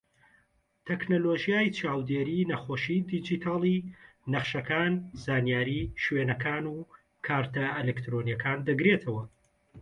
تەکنەلۆژیای چاودێری نەخۆشی دیجیتاڵی، نەخشەکان، زانیاری شوێنەکان و کارتە ئەلیکترۆنیەکان دەگرێتەوە.